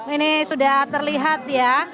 ini sudah terlihat ya